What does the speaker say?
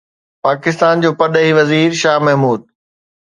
پاڪستان جو پرڏيهي وزير شاهه محمود